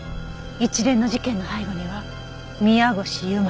一連の事件の背後には宮越優真がいる。